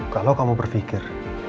kalau kamu berpikir